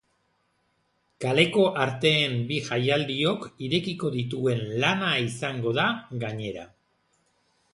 Kaleko arteen bi jaialdiok irekiko dituen lana izango da, gainera.